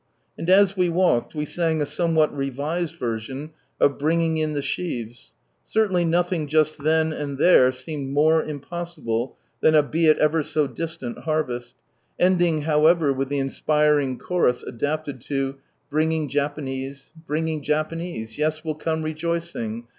And as we walked, we sang a somewhat revised version of "Bringing in the sheaves" (certainly nothing just then, and there, seemed more impossible than a be it ever so distant harvest), ending, however, with the inspiring chorus adapted to —'■ Bringing Jafaotie, Bringing Japanese, Yes, tut'JI come r^aicing.